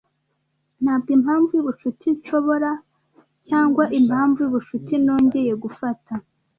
Ntabwo impamvu yubucuti nsohora, cyangwa impamvu yubucuti nongeye gufata.